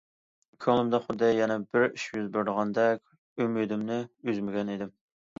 كۆڭلۈمدە خۇددى يەنە بىر ئىش يۈز بېرىدىغاندەك ئۈمىدىمنى ئۈزمىگەن ئىدىم.